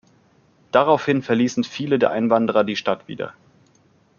Daraufhin verließen viele der Einwanderer die Stadt wieder.